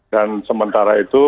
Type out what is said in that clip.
dan sementara itu